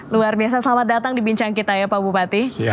luar biasa selamat datang di bincang kita ya pak bupati